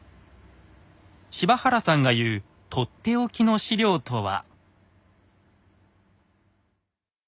柴原さんが言うとっておきの史料とは。